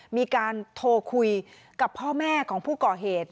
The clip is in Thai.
มีการโทรคุยกับพ่อแม่ของผู้ก่อเหตุ